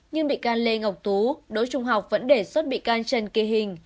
nhưng bị can lê ngọc tú đỗ trung học vẫn đề xuất bị can trần kỳ hình